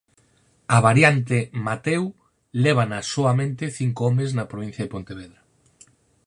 A variante Mateu lévana soamente cinco homes na provincia de Pontevedra.